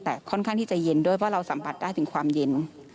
แต่ค่อนข้างที่จะเย็นด้วยเพราะเราสัมผัสได้ถึงความเย็น